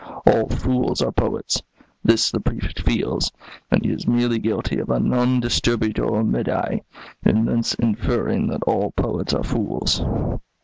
All fools are poets; this the Prefect feels; and he is merely guilty of a non distributio medii in thence inferring that all poets are fools."